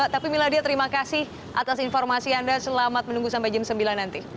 tapi miladia terima kasih atas informasi anda selamat menunggu sampai jam sembilan nanti